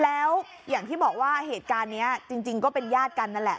แล้วอย่างที่บอกว่าเหตุการณ์นี้จริงก็เป็นญาติกันนั่นแหละ